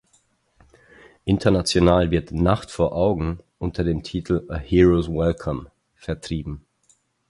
International wird "Nacht vor Augen" unter dem Titel "A Hero’s Welcome" vertrieben.